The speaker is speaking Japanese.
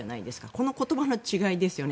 この言葉の違いですよね。